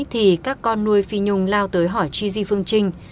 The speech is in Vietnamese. thì các con nuôi phi nhung lao tới hỏi chi di phương trinh